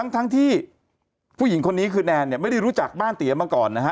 ทั้งที่ผู้หญิงคนนี้คือแนนเนี่ยไม่ได้รู้จักบ้านเตี๋ยมาก่อนนะฮะ